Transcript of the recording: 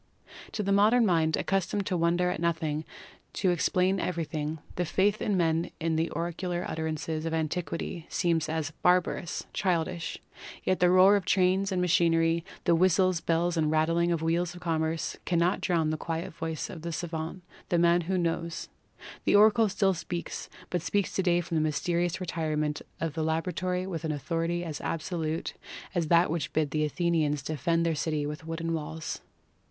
To the modern mind, accustomed to wonder at nothing, to ex plain everything, the faith of men in the oracular utter ances of antiquity seems as barbarous, childish; yet the roar of trains and machinery, the whistles, bells and rat tling wheels of commerce cannot drown the quiet voice of the savant, the * man who knows. The oracle still speaks, but speaks to day from the mysterious retirement of the laboratory with an authority as absolute as that which bid the Athenians defend their city with wooden walls.